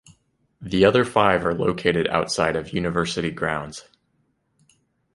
The other five are located outside of university grounds.